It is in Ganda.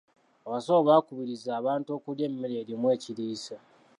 Abasawo bakubiriza abantu okulya emmere erimu ekiriisa.